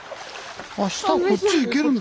下こっち行けるんだ。